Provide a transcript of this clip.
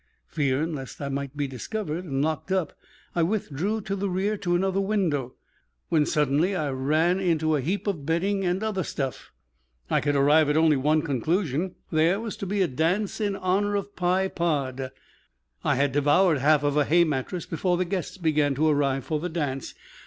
Fearing lest I might be discovered and locked up, I withdrew to the rear to another window, when, suddenly, I ran into a heap of bedding and other stuff. I could arrive at only one conclusion; there was to be a dance in honor of Pye Pod. I had devoured half of a hay mattress before the guests began to arrive for the dance.